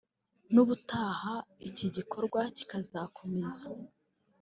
« N’ubutaha iki gikorwa kizakomeza